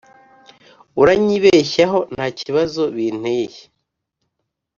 Uranyibeshyaho nta kibazo binteye